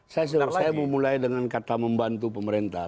saya mau mulai dengan kata membantu pemerintah